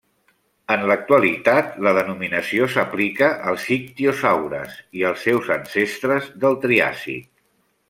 En l'actualitat, la denominació s'aplica als ictiosaures i als seus ancestres del Triàsic.